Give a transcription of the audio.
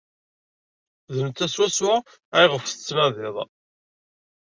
D netta swaswa ayɣef tettnadid.